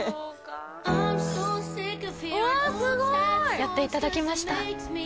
やっていただきました